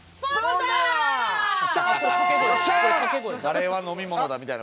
カレーは飲み物だみたいな。